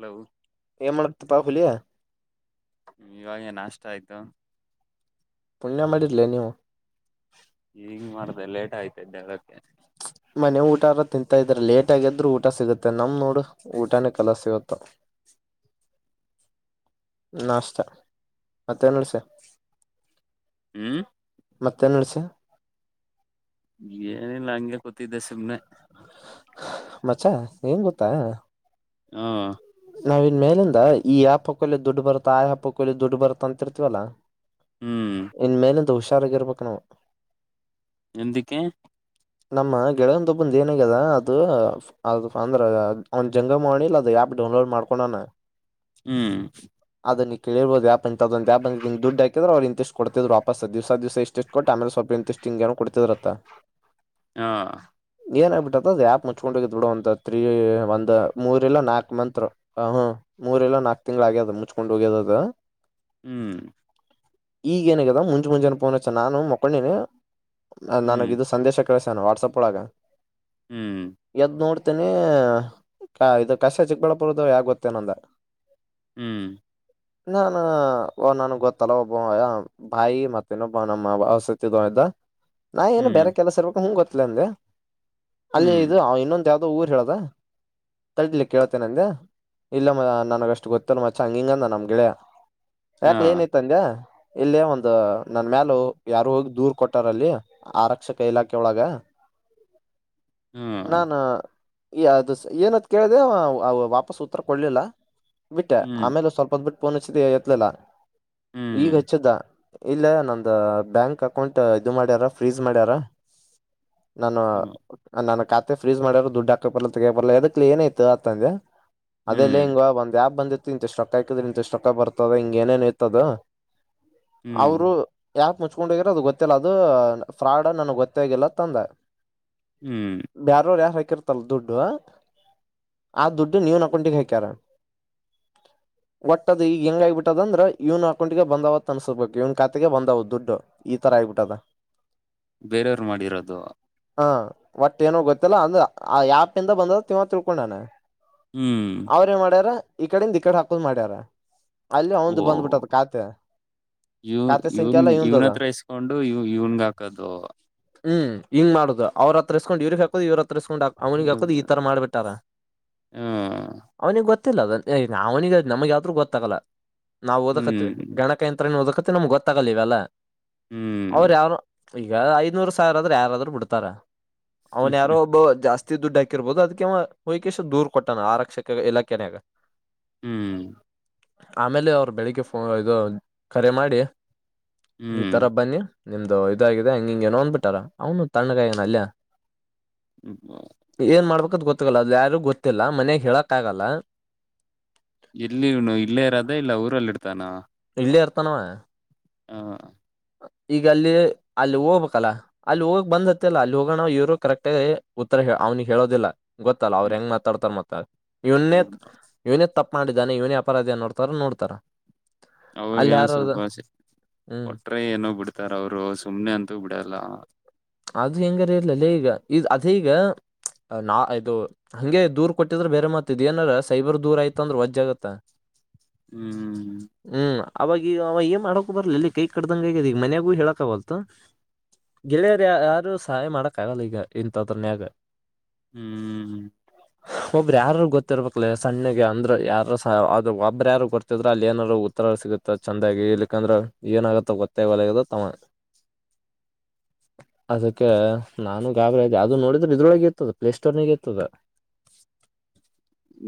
Hello. ಏ ಮಾಡಕ್ತಿಪ್ಪಾ್ುಲಿಯಾ. ಇವಾಗೇ ನಾಷ್ಟ ಆಯ್ತು. ಪುಣ್ಯ ಮಾಡಿರಲಿ ನೀವು. ಹಂಗ ಮಾಡ್ದ ಲೇಟ್ ಆಯ್ತ ಇದ್ದ ಅದಕ್ಕೆ. ಮನೆ ಊಟಾರ ತಿಂತಾ ಇದ್ರ ಲೇಟ್ ಆಗಿದ್ರರು ಊಟ ಸಿಗುತ್ತೆ ನಮ ನೋಡು ಊಟನ ಕಲ ಸಿಗತ್ತ. ನಾಷ್ಟತ ಮತ್ತ ಏನ್ಳ್ಸ. ಹ್ಮ್- ಮತ್ತೆ ನಡೆಸಿ. ಏನಿಲ್ಲ ಹಂಗೆ ಕೂತಿದ್ದೆ ಸುಮ್ನೆ. ಮಚಾ ಏನ್ ಗೊತ್ತಾ. ಹಾ- ನಾವ್ನ್ ಮೇಲಿಂದ ಈ ಯಾ ಪಕ್ಕಲ್ಲಿ ದುಡ್ಡು ಬರುತ್ತ ಆ ಯಾಪ್ಪಕ್ಕಲ್ಲಿ ದುಡ್ಡು ಬರುತ್ತ ಅಂತಿರ್ತೀವಲ್ಲಾ. ಹ್ಮ್- ಇನ್ ಮೇಲೆ ಹುಷಾರಾಗಿಿರ್ಬೇಕಕ್ ನಾವು. [inaudible] ನಮ್ಮ ಗೆಳಗಂತ ಬಂದು ಏನಗ್ಯದ ಅದು. ಅದು ಅಂದ್ರ ಅವ್ನ್ ಜಂಗ ಮಾಡಿಲ್ಲ ಅದು ಆ್ಯಪ್ ಡೌನ್ಲೋಡ್ ಮಾಡ್ಕೊಂಡನ. ಹ್ಮ್ ಅದ ನೀ ಕೇಳಿಬೋದು ಯ ಅಂತ ಅ ಯ ದುಡ್ಾಕಿದ್ರ ಅವ್ರ ಇ ಎಷ್ಟ ಕೊಡ್ತಿದ್ ವಾಪಸ್ ದಿವಸ ದ್ಸ ಎಷ್ಟು. ಕೊಟ್ಟ ಆಮೇಲೆ ಸ್ಲ್ಪ ಇಂಟೆಸ್ಟಂಗ್ಏನು ಕೊತಿದ್ರತ್ತ. ಹಾ- ಏನ ಆಗ್ಬಿಟ್ಟತದ ಅದು ಯ್ಯಪ್ ಮುಚ್ಕೊಂಡು ಹೋಗ್ ಬಿಡು ಒಂತ ತ್ರೀ ಒಂದ್ ಮೂರ್ಲ್ಲ ನಾಲ್ಕು ಮಂತ್. ಹ ಹ್ಮ ಮೂರ್ಲ್ಲ ನಾಕ್ ತಿಂಗ್ಳ ಆಗ್ಯದ ಮುಚ್ಕೊಂಡ್ ಹೋಗ್ಯದ ಅದ. ಹ್ಮ್- ಈಗ ಏನಗ್ಯದ ಮುಂಜೆ ಮುಂಜೆನ ಪೋನ್ ಹಚ್ಚನ ನಾನು ಮಕ್ಕೊಂಡಿನೇ ಹ್ಮ್ ನನಗ. ಸಂದೇಶ ಕಳಿಸನ ವಾಟ್ಸಆಪ್ ಒಳಗ. ಹ್ಮ್ ಎದ್ ನೋಡ್ತೀನಿ ಇ ಕಸ್ಯ ಚಿಕ್ಕಬಳ್ಳಾಪುರದು ಗೊತ್ತನಂದ. ಹ್ಮ್ ನಾನು ನನ್ಗೆ ಗೊತ್ತಲ್ಲ ಒಬ್ಬಯ. ಬಾಯಿ ಮತ್ತೇನೊಬ್ ನಮ್ಮಇನ್ನೊಬ್ಬ [unintelligible] ಇದ್ದ ನಾ ಏನು ಹ್ಮ್ ಬೇರೆ ಕೆಲಸ ಇರ್ಬೇಕ ಅಂತ ಗೊತ್ತಿಲ್ಲ ಅಂದೆ ಅಲ್ಲಿ ಹ್ಮ್ ಇದು ಇನ್ನೊಂದು. ಯಾವ್ದೋ ಊರ್ ಹೇಳದ ತಾಡ್ಲೆ ಕೇಳ್ತೇನೀ ಅಂದೇ. ಇಲ್ಲ ಮ ನನಗಷ್ಟು ಗೊತ್ತಲ್ ಮಚ್ಚ ಹಂಗ ಹಿಂಗಂದ ನಮ್ಮ ಗೆಳಯಾ ಹಾ ಯಾಕ್ಲ ಏನ ಐತೆ ಅಂದೆ. ಇಲ್ಲೇ ಒಂದು ನನ್ ಮೇಾಲ ಯಾರು ಹೋಗಿ ದೂರ್ ಕೊಟ್ಟಾರ ಅಲ್ಲಿ ಆರಕ್ಷಕ ಇಲಾಖೆ. ಕೆ ಒಳಗ ಹ್ಮ ನಾನು. ಈ ಅದು ಏನಂತ ಕೇಳ್ದ ವಾಪಸ್ ಉತ್ತರ ಕೊಡ್ಲಿಲ್ಲ. ಬಿಟ್ಟ ಹ್ಮ್ ಆಮೇಲೆ ಸ್ವಲ್ಪ ಹೊದ್ ಬಿಟ್ಟ ಪೋನ್ಚ್ಚತಿ ಎತ್ಲಲಿಲ್ಲ ಹ್ಮ್ ಈಗ ಹಚ್ಚಿದ್ದ. ಇಲ್ಲ ನಮ್ದ ಬ್ಯಾಂಕ್ ಅಕೌಂಟ್ ಇದು ಮಾಡ್ಯಾರ ಫ್ರೀಸ್ ಮಾಡ್ಯಾರ. ನಾನು ಹ್ಮ್ ನಾನ ಖಾತೆ ಫ್ರೀಸ್ ಮಾಡ್ಯಾರರು ದುಡ್ಡು ಹಾಕರ್ಲ್ಲ ತೆಗೆಯಕ್ ಬರಲ್ಲ ಅದಕ್ಕ ಏನಾಯ್ತು ಅಂತ ಅಂದೇ. ಅದೆೇಲ್ಲ ಹ್ಮ್ ಹಿಂಗ ಒಂದ ಆಪ್ ಬಂದಿತ್ತು ಇಂತಷ್ಟ ರೊಕ್ಕ ಆಕಿದ್ರೆ ಇಂತಷ್ಟ ರೊಕ್ಕ ಬರ್ತದ ಹಿಂಗ ಏನೇನೋ ಇತ್ತು ಅದು ಹ್ಮ್ ಅವರು ಯಾಕ ಮುಚ್ಕೊಂಡೋಗ್ರ ಅದು ಗೊತ್ತಿಲ್ಲ ಅದು ಫ್ರಾಡ್ ಅ ನನಗ್ ಗೊತ್ತ. ಗೊತ್ತಾಗಿಲ್ಲ ಅಂತ ಅಂದ. ಹ್ಮ್ ಬ್ಯಾರಾಯರು ಯಾರ ಹಾಕಿರ್ತಲ್ಲರ ದುಡ್ಡು. ಆ ದುಡ್ಡು ಇವನ ಅಕೌಂಟಿಗೆ ಹಾಕ್ಯರ. [inaudible] ಒಟ್ಟದ್ ಈಗ ಹೆಂಗ ಆಗ್ಬಬಿಟ್ಟದಂದ್ರ ಇವ್ ಅಕೌಂಟಿಗೆ ಬಂದವತ್ ಅನ್ಸೋಬೇಕು ಇವ್ ಖಾತೆಗೆ ಬಂದವತ್ ದುಡ್ಡು. ಈತರ ಆಗ್ಬಿಟ್ಟದ. ಬೇರೆಯವ್ರು ಮಾಡಿರೋದು. ಹಾ ಒಟ್ ಏನೋ ಗೊತ್ತಿಲ್ಲ ಅಂದ್ರ ಆ ಆಪ್ಯಿಂದ ಬಂದದ್ದ ಅಂತ ಇವಾಗ ತಿಳ್ಕೊಂಡಾನ. ಹ್ಮ್ ಅವ್ರರೇ ಮಾಡ್ಯಾರ ಈ ಕಡೆಯಿಂದ ಈ ಕಡೆಗೆ ಮಾಡ್ಯಾರ. ಅಲ್ಲಿ ಓ ಅವಂದು ಬಂದ್ಬಿಟ್ಟದ ಖಾತೆ ಖಾತೆ ಸಂಖ್ಯೆ ಎಲ್ಲ ಇವನಂದು ಅದ. ಹಕೊಂಡು ಇ ಇವ್ಗ ಹಾಕದು. ಹ್ಮ್ ಹಿಂಗ ಮಾಡುದು ಅವ್ರ ಹತ್ರಸ್ಕೊಂಡ್ ಇವ್ರ ಹಾಕೋದು ಇವ್ರ ಹತ್ರ ಇಸ್ಕೊಂಡ್ ಅವನಿಗೆ ಹ್ಮ್ ಹಾಕದು ಈ ತರ ಮಾಡ್ಬಿಟ್ಟಾರ. ಅವನಿಗೆ ಗೊತ್ತಿಲ್ಲ ಅವನಿಗೆ ನಮಗೆ ಹೇಳಿದ್ರು ಗೊತ್ತಾಗಲ್ಲ ನಾವು ಓದಕತ್ತವಿ ಹ್ಮ್ ಗಣ. ಯಂತ್ರನು ಓದಕಕತೀವಿ ನಮ್ಗೆ ಗೊತ್ತಾಗಲ್ಲ ಇವೆಲ್ಲ ಹ್ಮ್ ಅವ್ರ ಯಾರ ಈಗ. ನೂರು ಸಾವಿರ ಆದ್ರ ಯಾರಾದ್ರರು ಬಿಡ್ತಾರ ಅವ್ನ್ ಯಾರೋ ಹ್ಮ್ ಒಬ್ಬ ಜಾಸ್ತಿ. ದುಡ್ಡು ಹಾಕಿರ್ಬೋದು ಅದಕೆ ಅವ ವೈಕೇಶ್ ದೂರ ಕೊಟ್ಟೋನ ಆರಕ್ಷಕ ಇಲಾಖೆಗೆ. ಹ್ಮ್. ಆಮೇಲೆ ಅವ್ರು ಬೆಳಿಗ್ಗೆ ಫೋನ್ ಇದು ಕರೆ ಮಾಡಿ. ಹ್ಮ್ ಈತರ ಬನ್ನಿ ನಿಮ್ದು ಇದಾಗಿದೆ ಹಂಗಿಂಗಗೆ ನೋ ಅಂದ್ಬಿಟ್ಟಾರ ಅವನು ತಣ್ಣಗಾಯನಾ ಅಲ್ಲೇನೇ ಹ್ಮ್ ಏನ್ ಮಾಡ್ಬೇಕಂತ ಗೊತ್ತಾಗಲ್ಲ ಅದು ಯಾರು ಗೊತ್ತಿಲ್ಲ ಮನ್ಯಾಗ ಹೇಳಕ್ ಆಗಲ್ಲ. ಎಲ್ಲಿನು ಇಲ್ಲೇ ಇರೋದ ಇಲ್ಲ ಊರಲ್ಲಿ ಇರ್ತಾನ. ಇಲ್ಲೇ ಇರ್ತಾವನ. ಹ್ಮ್ ಈಗ ಅಲ್ಲಿ ಅಲ್ಲಿ ಹೋಗ್ಬೇಕಲ್ಲ. ಅಲ್ಲಿ ಹೋಗ್ ಬಂದತ್ತಲ್ಲ ಅಲ್ಲಿ ಹೋಗೋಣ ಇವರು ಕರೆಕ್ಟ ಆಗೇ ಉತ್ತರ ಅವ್ನಿಗೆ ಹೇಳೋದಿಲ್ಲ. ಗೊತ್ತಲ್ಲ ಅವ್ರ ಹ್ಮ್ ಹೆಂಗ್ ಮಾತಾಡ್ತಾರ. ಮತ್ತ ಇವ್ಣೇ ಹೌದು ಇವನೇ ತಪ್ಪ ಮಾಡಿದ್ದಾನ ಇವನೇ ಅಪರಾಧಿ ಅನ್ನೋರ್ ತರ ನೋಡ್ತಾರ. ಅಲ್ಲಿ ಅವ್ರಗೇನೋ ಯಾರ ಸ್ವಲ್ಪ ಆಸಿ ಹ್ಮ್ ಕೊಟ್ಟರೆ ಏನೋ ಬಿಡ್ತಾರ ಅವರು ಸುಮ್ನೆ ಅಂತೂ ಬಿಡಲ್ಲ. ಅದು ಹೆಂಗಾರ ಇರ್ಲಲ್ಲಲೆ ಈಗ ಈ ಅದೇ ಈಗ ನಾ ಅದು ಹಂಗೆ ದೂರ್ ಕೊಟ್ಟಿದ್ರೆ ಬೇರೆ ಮಾತ ಇದ್ ಏನರ ಸೈಬರ್ ದೂರ್ ಆಯ್ತ ಅಂದ್ರ ವಜ್ಜಾಗತ್ತ. ಹ್ಮ್. ಹ್ಮ್ ಅವಾಗ್ ಅವ ಏನ್ ಮಾಡಕ ಬರ್ಲಲೇ ಕೈ ಕಟ್ದಗಾ ಆಗ್ಯಾದ ಈಗ ಮನ್ಯಾಗೂ ಹೇಳಕವಲ್ತ್. ಗೆಳೆಯರು ಯಾರು ಸಹಾಯ ಮಾಡಕ್ಕ ಆಗಲ್ಲ ಈಗ ಇಂಥದ್ರನ್ಯಾಗ. ಹ್ಮ. ಒಬ್ಬ್ರ ಯಾರರ್ ಗೊತ್ತರ್ಬೇಕಕ್ಲೇ ಸಣ್ಣಗೆ ಅಂದ್ರ ಯಾರ್ ಸ ಅದ್ ಒಬ್ಬ್ರ ಯಾರು ಗೊತ್ತಿದ್ರ ಅಲ್ಲಿ ಏನರ ಉ ಹತ್ರ ಸಿಗುತ್ತ ಚಂದಾಗಿ ಇಲಿಕ್ಕೆಂದ್ರ ಏನ ಆಗತ್ತ ಗೊತ್ತೇ ಆಲಗ್ಯದ ಅಂತ ಅವ. ಅದಕ್ಕೆ ನಾನು ಗಾಬ್ರದೇ ಯಾವ್ದದು ನೋಡಿ ದ್ರ ಇದ್ರೊಳಗೆ ಇರ್ತದ ಪ್ಲೇ ಸ್ಟೋರ್ನಗ ಇರ್ತದ.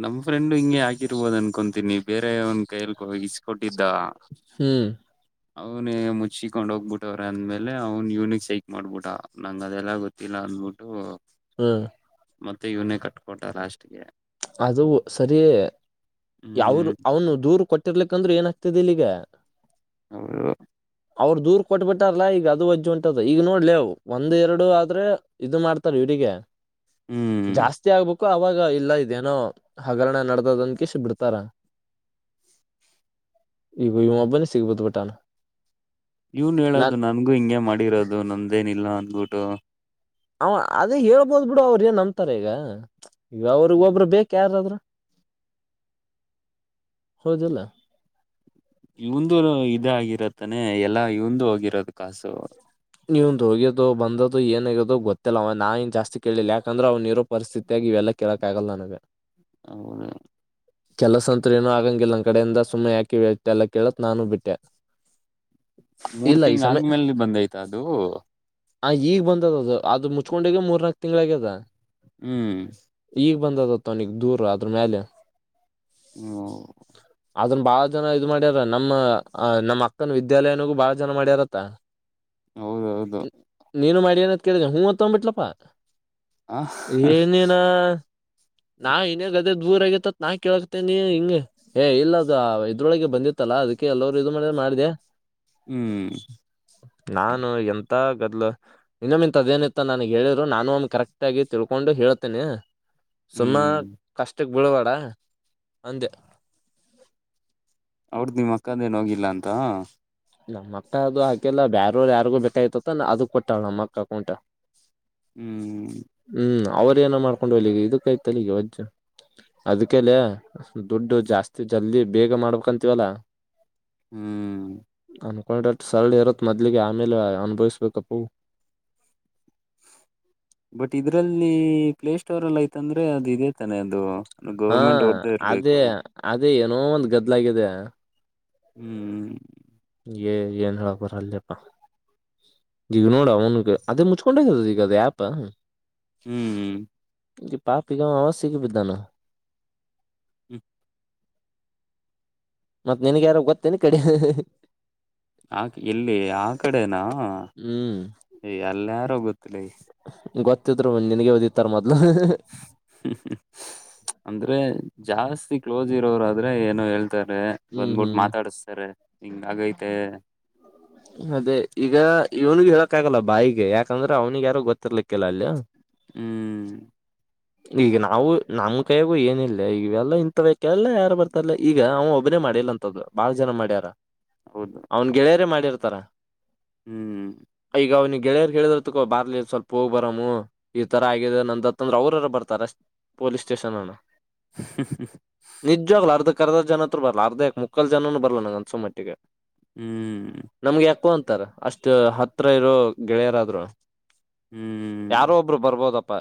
ನಮ್ ಫ್ರೆಂಡ್ ಹಿಂಗೆ ಹಾಕಿರ್ಬೋದು ಅನ್ಕೊತೀನಿ ಬೇರೆವ್ನ್ ಕೈಯಲ್ ಇಸ್ಕೊಟ್ಟಿದ. ಹ್ಮ್. ಅವನ್ ಮುಚಕೀಕೊಂಡ್ ಹೋಗ್ಬಿಟ್ಟವ್ರೇ ಅಂದ್ಮೇಲೆ ಅವ್ನ್ ಯೂನಿಕ್ ಸೈಕ್ ಮಾಡ್ಬಿಟ. ನಂಗ ಅದೆಲ್ಲ ಗೊತ್ತ ತ್ತಿಲ್ಲ ಅಂದಬಿಟ್ಟು, ಹ್ಮ್. ಮತ್ತೆ ಇವನೇ ಕಟ್ಕೊಟ ಲಾಸ್ಟ್ಗೆ. ಅದು ಸರಿ ಯಾವರು ಹ್ಮ್ ಅವನು ದೂರು ಕೊಟ್ಟಿರ್ಲಿಕ್ಕಂದ್ರ ಏನಾಗ್ತಿದಿಲ್ಲಿಗ. [inaudible] ಅವ್ರ ದೂರ್ ಕೊಟ್ಬಿಟ್ಟಾರಲ್ಲ ಈಗ ಅದು ವಜ್ಜಿ ಹೊಂಟದ. ಈಗ ನೋಡ್ಲೆ ಒಂದ್ ಎರಡು ಆದ್ರೆ, ಇದು ಮಾಡ್ತಾರ ಇವರಿಗೆ. ಹ್ಮ್ ಜಾಸ್ತಿ ಆಗ್ಬೇಕು ಅವಾಗ ಇಲ್ಲ ಇ ಇದೇನೋ ಹಗರಣ ನಡದದ ಅಂದಕೆಶಿ ಬಿಡ್ತಾರ. ಈಗ ಇವೊಬ್ಬನೆ ಸಿಗಿಬಿದ್ದ್ ಬಿಟ್ಟನ. ಇವ್ನ್ ಹೇಳೋದು ನನ್ಗೂ ಹಿಂಗೆ ಮಾಡಿರೋದು ನಂದ್ದೇನ ಇಲ್ಲ ಅಂದ್ಬಿಟ್ಟು. ಹ ಅದೇ ಹೇಳ್ಬೋದ ಬಿಡು ಅವ್ರ ಏನ್ ಅಂತಾರ ಈಗ ಈಗ ಅವ್ರಗ ಒಬ್ರು ಬೇಕ ಯಾರಾದ್ರು. [inaudible] ಹೌದಿಲ್ಲ. ಇವಂದು ಇದ ಆಗಿರದತ್ತಾನೆ ಎಲ್ಲಾ ಇವಂದು ಹೋಗಿರೋದು ಕಾಸು. ಇವಂದು ಹೋಗ್ಯೋದು ಬಂದದೋ ಏನ ಆಗ್ಯದೋ ಗೊತ್ತಿಲ್ಲ ಅವ ನಾ ಎನ್ ಜಾಸ್ತಿ ಕೇಳಿಲ್ಲ. ಯಾಕಂದ್ರೆ ಅವ್ನು ಇರೋ ಪರಿಸ್ಥಿತಿ, ತಗಿ ಇವೆಲ್ಲ ಕೆೇಳಕ್ ಆಗಲ್ಲ ನನಗ. [unintelligible] ಕೆಲಸ ಅಂತ್ರು ಏನೋ ಆಗಂಗಿಲ್ಲ ನನ್ ಕಡೆಯಿಂದ ಸುಮ್ಮನೆ ಯಾಕಿ ಎಲ್ಲಾ ಕೇಳತ್ ನಾನು ಬಿಟ್ಟೆ. ಮೂರ್ ಇಲ್ಲ ಈ ತಿಂಗ ಸಮಯ ಆದ್ಮೇಲೆ ಬಂದಯ್ತ ಅದು. ಆ ಈಗ್ ಬಂದದ ಅದ್ ಮುಚ್ಕೊಂಡ ಹೋಗೆ ಮೂರ್ ನಾಕ್ ತಿಂಗಳ ಆಗ್ಯದ. ಹ್ಮ್. ಈಗ ಬಂದದತ್ ಅವನಿಗೆ ದೂರ ಅದ್ರ ಮ್ಯಾಲೀ. ಹ್ಮ. ಅದನ್ ಬಾಳ ಜನ ಇದು ಮಾಡ್ಯಾರ ನಮ್ಮ ಅ ನಮ್ಮ್ ಅಕ್ಕನ ವಿದ್ಯಾಲಯನಗೂ ಬಾಳ ಜನ ಮಾಡ್ಯಾರತ್ತ. ಹೌದೌದು. ನೀನು ಮಾಡಿ ಏನತ್ ಕೇಳಿದ್ಯಾ ಹೂ ಅಂತ ಅಂದ್ ಬಿಟ್ಲಪ ಆ ಏ ನೀನನಾ. ನಾ ಇನ್ಯಾಗ ಅದೇ ದೂರ ಆಗ್ಯತ್ ಅತ್ ನಾ ಕೇಳಕ್ತನಿ ಹಿಂಗ ಹೇ ಇಲ್ಲದ. ಇದ್ರೊಳಗೆ ಬಂದಿತ್ತಲ್ಲ ಅದಕ್ಕೆಲ್ಲರು ಇದು ಮಾಡ ಮಾಡಿದ್ಯ. ಹ್ಮ್. ನಾನು ಎಂತಾ ಗದ್ಲ. ಇನ್ನೊಮ್ಮ ಇಂತದೇನಿತ್ತು ನನಗ ಹೇಳಿರು ನಾನು ಒಮೆ ಕರೆಕ್ಟ್ ಆಗಿ ತಿಳ್ಕೊಂಡು ಹೇಳ್ತೇನಾ. ಸುಮ್ಮ ಹ್ಮ್ ಕಷ್ಟಕ ಬೀಳಬ್ಯಾಡ ಅಂದ. ಅವ್ರದು ನಿಮ್ಮ ಅಕ್ಕದೇನು ಹೋಗಿಲ್ಲಾ ಅಂತ. ನಮ್ಮ ಅಕ್ಕ ಅದು ಹಾಕಿಲ್ಲ ಬೇವರು ಯಾರಿಗು ಬೇಕಾಯತ್ತಂತ ಅದ ಕೊಟ್ಟಳ ನಮ್ಮ ಅಕ್ಕ ಅಕೌಂಟ್. ಹು ಹು ಅವರೇ ಏನೋ ಮಾಡ್ಕೊಂಡ್ ಹೊಲಿ ಈಗ ಇದಕ್ಕಾಯ್ತ ಅಲ್ಲಿ ಈಗ ವಜ್ಜ. ಅದ್ಕಲೆ ದುಡ್ಡು ಜಾಸ್ತಿ ಜಲ್ದಿ ಬೇಗ ಮಾಡ್ಬೇಕಂತೀವಲ್ಲ. ಹು ಅನ್ಕೊಂಡಟ್ ಸರಳ ಇರತ್ ಮೊದ್ಲಿಗೆ ಆಮೇಲೆ ಅನುಭವಿಸ್ಬೇಕಪ್ಪೋ. ಬಟ್ಟ್ ಇದ್ರಲ್ಲಿ ಪ್ಲೇ ಸ್ಟೋರ್ ಅಲ್ಲಿ ಐತಂದ್ರೆ ಅದು ಇದೆ ತಾನೆ ಅದು. ನ ಹಾ ಗೌರ್ಮೆಂಟ್ ಅರವ್ದೇ ಅದೇ ಇರ್ಬೇಕು. ಅದೇ ಏನೋ ಒಂದ್ ಗದ್ಲಾಗಿದೆ. ಹು ಏ ಏನ್ ಹೇಳಾಕ್ ಬರಲೆಪ್ಪ ಈಗ ನೋಡ. ಹಂಗ ಅದೇ ಮುಚ್ಕೊಂಡದ ಈಗ ಅದು ಆ್ಯಪ. ಹು ಹು ಈ ಪಾಪ ಈಗವವಾ ಸಿಗ ಬಿದ್ದಾನ. ಹು ಮತ್ತ ನಿನಗ ಯಾರ ಗೊತ್ತೇನ ಕಡೆ ಆಕ ಎಲ್ಲಿ ಆ ಕಡೆನಾ ಹ್ಮ್ ಎ ಎಲ್ಲಾರು ಗೊತ್ತಿಲ್ಲ ಲೆ. ಗೊತ್ತಿದ್ರು ಬಂದ್ ನಿನಗೆ ಒದಿತ್ತಾರ ಮೊದ್ಲು. ಹು ಹು ಅಂದ್ರೆ ಜಾಸ್ತಿ ಕ್ಲೋಸ್ ಇರೋರು ಆದ್ರೆ ಏನೋ ಹೇಳ್ತಾರೆ. ಹ್ಮ್ ಬಂದ್ಬಿಟ್ಟು ಹ್ಮ್ ಮಾತಾಡಸ್ತಾರೆ ಹಿಂಗ ಆಗೈತೆ. ಅದೇ ಈಗ ಇವ್ನಿಗೆ ಹೇಳಕ್ ಆಗಲ್ಲ ಬಾಯಿಗೆ ಯಾಕಂದ್ರೆ ಅವ್ನಿಗೆ ಯಾರು ಗೊತ್ತರ್ಲಿಕ್ಕಿಲ್ಲ ಅಲ್ಲೆ. ಹು ಈಗ ನಾವು ನಮ್ಮ ಕೈಯಗೂ ಏನಿಲ್ಲೆ ಈಗವೆಲ್ಲ ಇಂತವುಕೆಲ್ಲಾ ಯಾರು ಬರ್ತಾರಲ್ಲ ಈಗ ಅವ ಒಬ್ಬನೇ ಮಾಡಿಲ್ಲಂತ. ತ್ತದ ಬಾಳ ಜನಾ ಮಾಡ್ಯಾರಾ. ಹೌದನು ಗೆಳೆಯರ ಮಾಡಿರ್ತಾರ. ಹು ಈಗ ಅವನ ಗೆಳೆಯರ್ ಹೇಳಿದರ್ಕೋ ಬಾರ್ಲಿ ಸ್ವಲ್ಪ ಹೋಗ್ ಬರಾಮ ಈ ತರ ಆಗಿದೆ ನಂದತ್ತಂದ್ರ ಅವ್ರ. ಬರ್ತಾರ ಪೊಲೀಸ್ ಸ್ಟೇಷನ್ ಅನ್ನು. ಹು ಹು ನಿಜ್ವಾಗ್ಲೂ ಅರ್ಧ ಕರ್ದ ಜನ ಹತ್ರ ಬರ್ಲ್ಲ ಅರ್ಧ ಮುಕ್ಕಲ್ ಜನನು ಬರ್ಲ್ಲ ನಂನ್ ಅನ್ಸೊ ಮಟ್ಟಿಗೆ. ಹು ನಮಗ ಯಾಕೋ ಅಂತಾರ ಅಷ್ಟ ಹತ್ರ ಇರೋ ಗೆಳೆಯರಾದ್ರು. ಯಾರೋ ಹು ಒಬ್ರು ಬರ್ಬೋದಪ್ಪಾ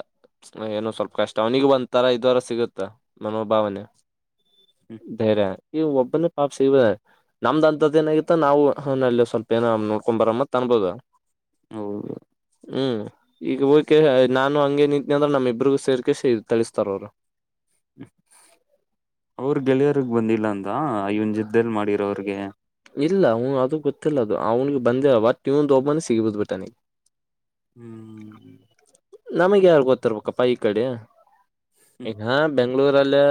ಏನು ಸ್ವಲ್ಪ. ಕಷ್ಟ ಅವನಿಗೆ ಒಂದ್ ತರ ಇದುಅರ ಸಿಗುತ್ತ ಮನೋ ಭಾವನೆ ಬೇರೆ. ಈ ಒಬ್ಬನ್ನೇ ಪಾಪ್ ಶಿವ. ನಮ್ದ್ ಅಂತದ್ದ ಏನಾಗಿತ್ತ ನಾವು ಅಲ್ಲಿ ಸ್ವಲ್ಪ ಏನ ನೋಡ್ಕೊಂಡ್ ಬರಮ್ಮತ್ ಅನ್ಬೋದ. ಹೌದ ಹು ಈಗ ಹೋಕೆ ನಾನು ಹಂಗೇನಿಂಟ್ನೆದ್ರ ಅಂದ್ರ ನಮ್ಮ ಇಬರಿಗೂ ಸೇರ್ಕ ತಿಳಿಸ್ತಾರ ಅವರು. ಅವ್ರ ಗೆಳೆಯರಿಗೆ ಬಂದಿಲ್ಲ ಅಂದ ಇವನ ಜೊತೆಯಲ್ಲಿ ಮಾಡಿರೋ ಅವ್ರಿಗೆ ಇಲ್ಲ ಹ್ ಅದು ಗೊತ್ತಿಲ್ಲ ಅದು ಅವ್ನಿಗೆ ಬಂದ ಒಟ್ ಇವಂದ ಒಬ್ಬನ ಸಿಗಿಬುದ್ ಬಿಟ್ಟನಿಗೆ ಹ್ಮ್ ನಮಗೆ ಯಾರ್ ಗೊತ್ತಿರ್ಬೇಕಪ್ಪಾ ಈ ಕಡೆ ಇ ಬೆಂಗಳೂರಲ್ಲಿ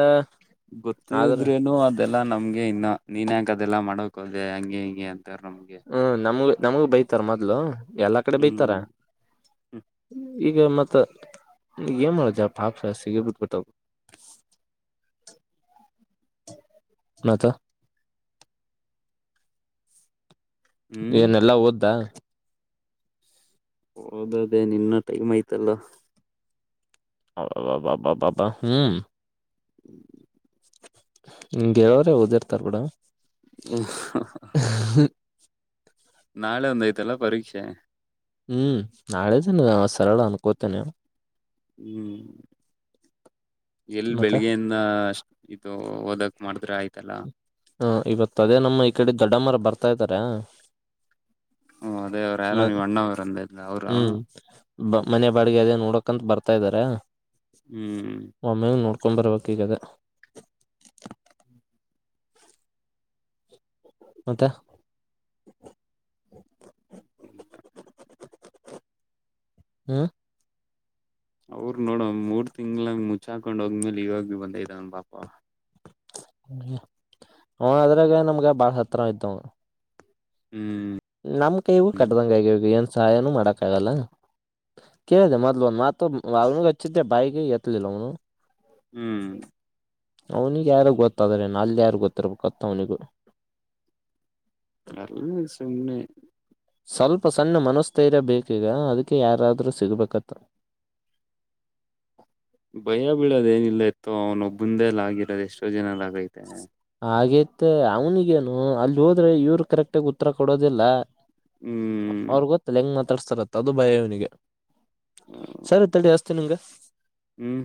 ಗೊತ್ತಿದ್ರೇನು ಅ ಅದೆಲ್ಲಾ ನಮ್ಗೆ ಇನ್ನ ನೀನ್ ಯಾಕ್ದೆಲ್ಲಾ ಮಾಡಕ್ ಹೋದೆ ಹಂಗೆ ಹಿಂಗೆ ಅಂತಾರ ನಮ್ಗೆ ಹ್ಮ ನಮಗ ನಮಗು ಬೈತಾರ ಮೊದ್ಲು ಎಲ್ಲಾ ಕಡೆ ಬೈತಾರ ಹ್ಮ್ ಈಗ ಮತ್ತ ಏನ್ ಮಾಡೋ ಜಾ ಹಾಪ್ ಸಿಗೆ ಬಿಟ್ಬಿಟ್ಟು ಹ ಮತ್ತೆ ಹ್ಮ್ ಏನೆಲ್ಲಾ ಓದ್ದಾ ಓದೋದು ಏನು ಇನ್ನೂ ಟೈಮ್ ಆಯ್ತಲ್ಲ ಅಬ್ಬಬ್ಬಾ ಹ್ಮ್ ಹ್ [inaudible] ಹಿಂಗೆ ಹೇಳೋರೆ ಓದಿರ್ತಾರ ಬಿಡು ಹ ನಾಳೆ ಒಂದು ಆಯ್ತಲ್ಲ ಪರೀಕ್ಷೆ ಹ್ಮ್ ನಾಳೆದನೆ ಸರಳ ಅನ್ಕೋತೇನೆ ಹ್ಮ್ ಎಲ್ಲಿ ಮತ್ತೆ ಬೆಳಿಗ್ಗೆಯಿಂದ ಅಷ್ಟ ಇದು ಓದಕ್ ಮಾಡಿದ್ರೆ ಆಯ್ತಲ್ಲ ಹಾ ಇವತ್ ಅದೇ ನಮ್ಮ ಈ ಕಡೆ ದೊಡ್ಡಮ್ಮ ಅವರು ಬರ್ತಾ ಇದ್ದಾರಾ ಹ್ಮ ಅದೇ ಅವ್ರು ಯಾರೋ ಮ ನೀವ್ ಅಣ್ಣವ್ರ ಅಂದಲ್ಲ ಅವ್ರ ಹ್ಮ್ ಮನೆ ಬಾಡಿಗೆ ಅದೇ ನೋಡ ಅಂತಾ ಬರ್ತಾ ಇದಾರೆ ಹ್ಮ್ ಒಮ್ಮ್ಯಾಗ ನೋಡ್ಕೊಂಡ ಬರ್ಬೇಕ ಈಗದೆ ಮತ್ತೆ ಹ್ಮ್ ಅವರು ನೋಡ ಮೂರ್ ತಿಂಗ್ಳ ಮುಚಾಕ್ ಹಾಕೊಂಡ್ ಹೋಗ್ಮೇಲೆ ಇವಾಗ ಬಂದ ಇದ್ದವನ್ ಪಾಪ ಹ ಅದ್ರಾಗ ನಮ್ಗೆ ಬಾಳ ಹತ್ತಿರ ಆಯ್ತಾ ಹ್ಮ್ ನಮ್ ಕೈಗೂ ಕಟ್ಟದಂಗ ಆಗದ ಏನ್ ಸಹಾಯನು ಮಾಡಕ್ಕ ಆಗಲ್ಲ ಕೇಳಿದೆ ಮೊದಲು ಒಂದ ಮಾತು [unintelligible] ಬಾಯಿಗೆ ಎತ್ತಿಲ್ಲ ಅವನು ಹ್ಮ್ ಅವನಿಗೆ ಯಾರು ಗೊತ್ತಾದ್ರೆ ನಾಲ್ ಯಾರಗ್ ಗೊತ್ತಿರ್ಬೇಕತ್ತತ್ ಅವ್ನಿ ಅದು ಸುಮ್ಮನೆ ಸ್ವಲ್ಪ ಸಣ್ಣ ಮನಸ್ಥೈರ ಬೇಕೀಗ ಅದಕ್ಕೆ ಯಾರಾದ್ರರು ಸಿಗ್ಬೇಕತ್ರ ಭಯ ಬೀಳೋದ ಏನಿಲ್ಲ ಎತ್ತು ಅವ್ನ ಒಬ್ಬಂದೆಲ್ಲ ಆಗಿರೋದು ಎಷ್ಟೋ ಜನದು ಆಗೈತೆ ಹಾಗೇತ್ತ ಅವನಿಗೇನು ಅಲ್ಲಿ ಹೋದ್ರೆ ಇವ್ರ ಕರೆಕ್ಟಗ ಉತ್ತರ ಕೊಡೋದಿಲ್ಲ ಹ್ಮ್ ಅವ್ರಗ್ ಗೊತ್ತಲ್ಲ ಹೆಂಗ್ ಮಾತಾಡ್ಸ್ತಾರತ್ತ ಅದು ಭಯ ಇವ್ನಿಗೆ ಸರಿ ತಳಿ ಅಸ್ತಿ ನಿಂಗೆ ಹ್ಮ್